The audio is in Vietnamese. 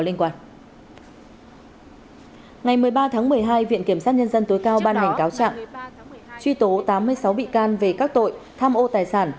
ngày một mươi ba tháng một mươi hai viện kiểm sát nhân dân tối cao ban hành cáo trạng truy tố tám mươi sáu bị can về các tội tham ô tài sản